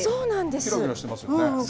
きらきらしてますよね。